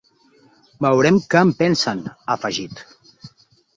Veurem què en pensen, ha afegit.